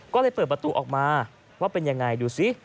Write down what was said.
ก็เลยเปิดประตูออกมาว่าเป็นยังไงดูสิ